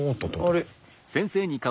あれ？